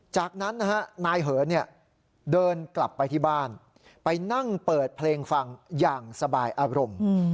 จากนั้นนะฮะนายเหินเดินกลับไปที่บ้านไปนั่งเปิดเพลงฟังอย่างสบายอารมณ์